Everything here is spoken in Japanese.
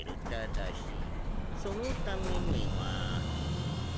ただしそのためには。